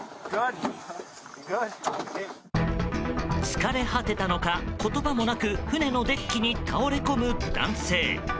疲れ果てたのか、言葉もなく船のデッキに倒れ込む男性。